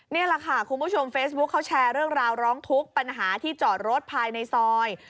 นี่แหละค่ะคุณผู้ชมเฟซบุ๊คเขาแชร์เรื่องราวร้องทุกข์ปัญหาที่จอดรถภายในซอย